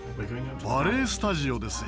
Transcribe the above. バレエスタジオですよ。